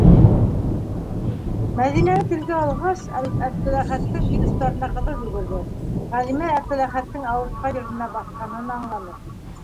Мәҙинәне телгә алғас, Әптеләхәттең бит остарына ҡыҙыл йүгерҙе - Ғәлимә Әптеләхәттең ауыртҡан еренә баҫҡанын аңланы.